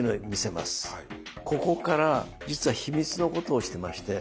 ここから実は秘密のことをしてまして。